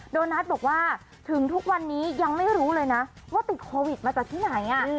โดนัทบอกว่าถึงทุกวันนี้ยังไม่รู้เลยนะว่าติดโควิดมาจากที่ไหน